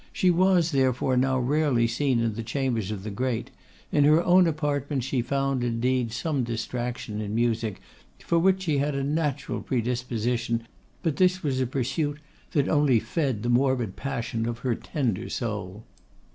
She was, therefore, now rarely seen in the chambers of the great. In her own apartments she found, indeed, some distraction in music, for which she had a natural predisposition, but this was a pursuit that only fed the morbid passion of her tender soul.